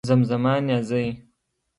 زمزمه نيازۍ